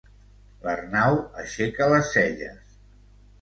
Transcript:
L'Arnau aixeca les celles.